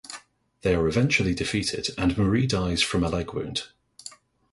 They are eventually defeated, and Marie dies from a leg wound.